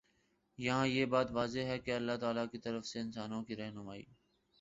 یہاں یہ بات واضح رہے کہ اللہ تعالیٰ کی طرف سے انسانوں کی رہنمائی